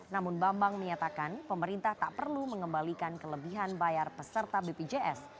namun bambang menyatakan pemerintah tak perlu mengembalikan kelebihan bayar peserta bpjs